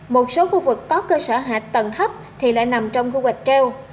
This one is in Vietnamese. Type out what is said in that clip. một số khu vực có cơ sở hạch tầng thấp thì lại nằm trong khu vực treo